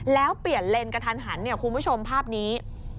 แล้วเปลี่ยนเลนกระทันหันเนี่ยคุณผู้ชมภาพนี้